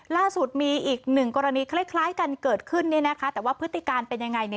ล่าสุดมีอีกหนึ่งกรณีคล้ายกันเกิดขึ้นเนี่ยนะคะแต่ว่าพฤติการเป็นยังไงเนี่ย